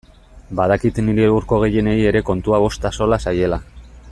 Badakit nire hurko gehienei ere kontua bost axola zaiela.